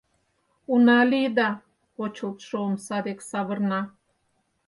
Уна лийыда! — почылтшо омса дек савырна.